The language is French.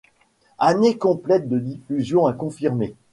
Années complètes de diffusion à confirmer!